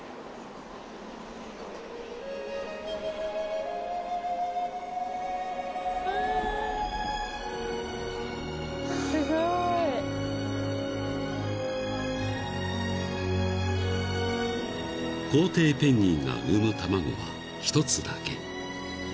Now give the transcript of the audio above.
［コウテイペンギンが産む卵は１つだけ］